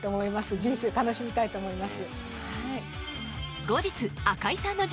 人生楽しみたいと思います。